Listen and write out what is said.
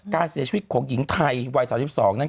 การเสียชีวิตของหญิงไทยวัย๓๒นั้น